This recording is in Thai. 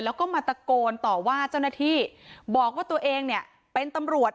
แล้วก็มาตะโกนต่อว่าเจ้าหน้าที่บอกว่าตัวเองเนี่ยเป็นตำรวจ